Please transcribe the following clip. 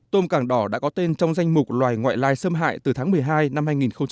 tôm càng đỏ đã có tên trong danh mục loài ngoại lai xâm hại từ tháng một mươi hai năm hai nghìn một mươi tám